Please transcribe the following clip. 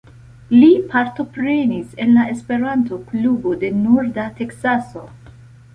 Li partoprenis en la Esperanto Klubo de Norda Teksaso.